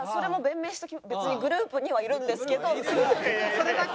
それだけ。